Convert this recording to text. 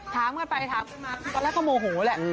ถามกันไปถามกันมาตอนแรกก็โมโหแหละ